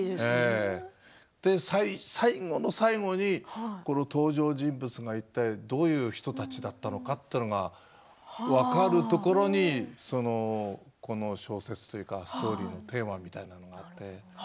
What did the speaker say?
で、最後の最後にこの登場人物がいったいどういう人たちだったのかというのが分かるところにこの小説というかストーリーのテーマみたいなものがあって。